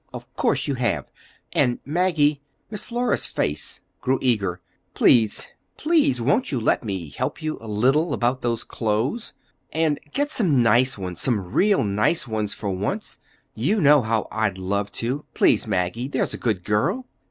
"Of course you have. And, Maggie,"—Miss Flora's face grew eager,—"please, please, won't you let me help you a little—about those clothes? And get some nice ones—some real nice ones, for once. You know how I'd love to! Please, Maggie, there's a good girl!"